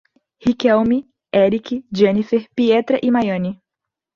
Riquelme, Erique, Jhenifer, Pietra e Maiane